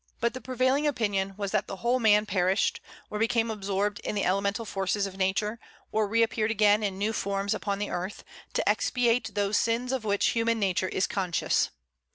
But the prevailing opinion was that the whole man perished, or became absorbed in the elemental forces of nature, or reappeared again in new forms upon the earth, to expiate those sins of which human nature is conscious.